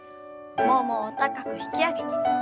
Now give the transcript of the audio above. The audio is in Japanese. ももを高く引き上げて。